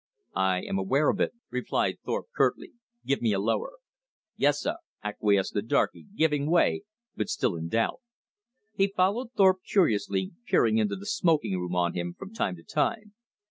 "I am aware of it," replied Thorpe curtly. "Give me a lower." "Yessah!" acquiesced the darkey, giving way, but still in doubt. He followed Thorpe curiously, peering into the smoking room on him from time to time.